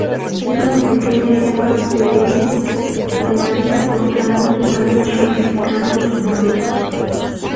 Es una pequeña hierba perenne, de hábito postrado y tallos ramificados, gruesos.